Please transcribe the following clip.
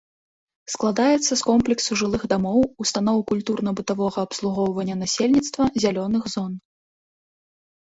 Складаецца з комплексу жылых дамоў, устаноў культурна-бытавога абслугоўвання насельніцтва, зялёных зон.